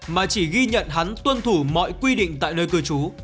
mà chỉ ghi nhận hắn tuân thủ mọi quy định tại nơi cư trú